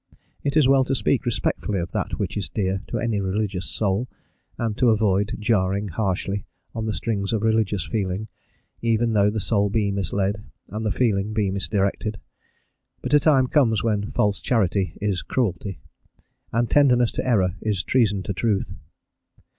It is well to speak respectfully of that which is dear to any religious soul, and to avoid jarring harshly on the strings of religious feeling, even though the soul be misled and the feeling be misdirected; but a time comes when false charity is cruelty, and tenderness to error is treason to truth.